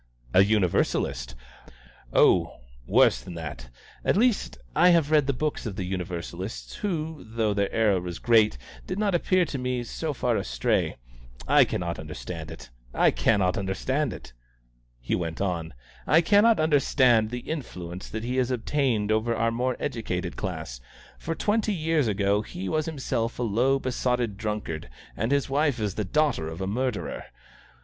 "A Universalist!" "Oh, worse than that at least, I have read the books of Universalists who, though their error was great, did not appear to me so far astray. I cannot understand it! I cannot understand it!" he went on; "I cannot understand the influence that he has obtained over our more educated class; for twenty years ago he was himself a low, besotted drunkard, and his wife is the daughter of a murderer!